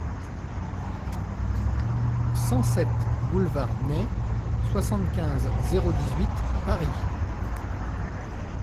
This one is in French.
cent sept bD NEY, soixante-quinze, zéro dix-huit, Paris